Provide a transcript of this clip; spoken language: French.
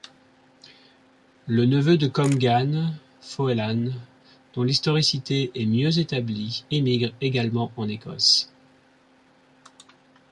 Le neveu de Comgán, Fóelán dont l'historicité est mieux établie émigre également en Écosse.